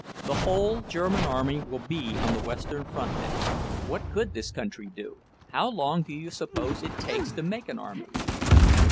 The whole German army will be on the Western front now. What could this country do? How long do you suppose it takes to make an army?"